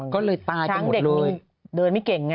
ก็เลยตายไปหมดเลยทั้งเด็กมีเดินไม่เก่ง